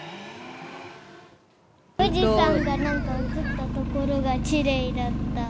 富士山がなんか映ったところがきれいだった。